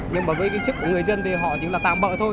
nhưng mà với cái chức của người dân thì họ chỉ là tạm bợ thôi